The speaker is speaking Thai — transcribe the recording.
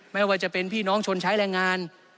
ไม่ว่าจะเป็นพี่น้องชนใช้แรงงาน